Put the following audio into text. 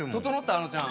あのちゃん。